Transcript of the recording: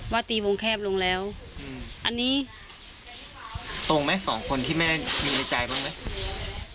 ตีวงแคบลงแล้วอันนี้ตรงไหมสองคนที่แม่มีในใจบ้างไหม